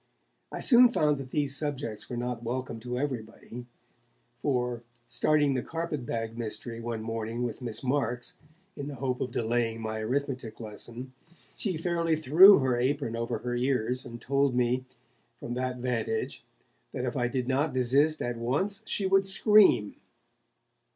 I soon found that these subjects were not welcome to everybody, for, starting the Carpet bag Mystery one morning with Miss Marks, in the hope of delaying my arithmetic lesson, she fairly threw her apron over her ears, and told me, from that vantage, that if I did not desist at once, she should scream.